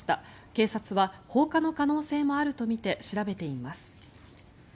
警察は放火の可能性もあるとみて調べています。